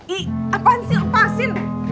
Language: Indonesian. ih apaan sih lepasin